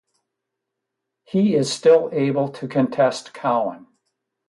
He is still able to contest Cowan.